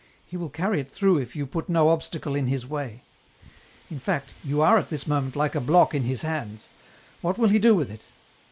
He will carry it through if you put no obstacle in His way. " In fact you are at this moment like a block in His hands ; what will He do with it